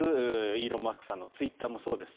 イーロン・マスクさんのツイッターもそうです。